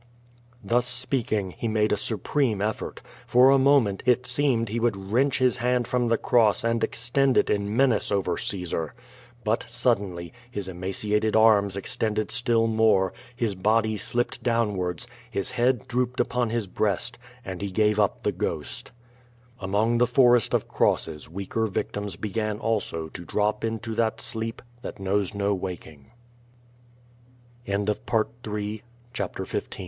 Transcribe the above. ^' Thus speaking, he made a supreml effort. For a moment it seemed that he would wrench his Himd from the cross and extend it in menace over Caesar; but suSdenly, his emaciated arms extended still more, his body slipned downwards, his head drooped upon his breast, and he gav4>up the ghost. Among the forest of crosses weaker victims began also to drop into that sleep that knows no waking.